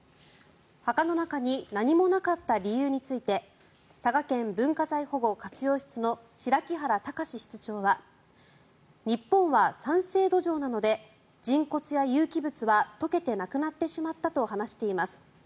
墓の中に何もなかった理由について佐賀県文化財保護・活用室の白木原宜室長は日本は酸性土壌なので人骨や有機物は溶けてなくなってしまったと話しています。